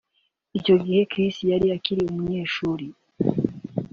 Icyo gihe Chris yari akiri umunyeshuri